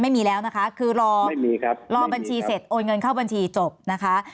ไม่มีแล้วนะคะคือรอไม่มีครับรอบัญชีเสร็จโอนเงินเข้าบัญชีจบนะคะ